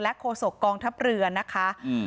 โฆษกองทัพเรือนะคะ